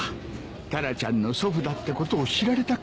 タラちゃんの祖父だってことを知られたくない。